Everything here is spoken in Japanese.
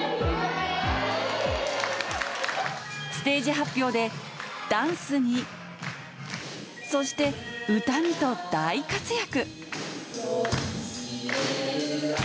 ステージ発表で、ダンスに、そして歌にと大活躍。